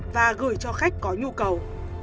và gửi cho khách có nhu cầu